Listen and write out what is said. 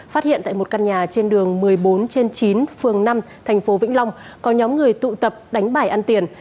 phát hiện tại một căn nhà trên đường một mươi bốn trên chín phường năm thành phố vĩnh long có nhóm người tụ tập đánh bài ăn tiền